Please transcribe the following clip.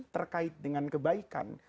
terkait dengan kebaikan